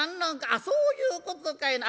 そういうことかいな。